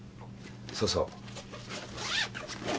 そうそう。